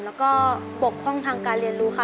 แล้วก็ปกพร่องทางการเรียนรู้ค่ะ